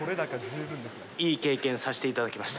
いい経験させていただきました。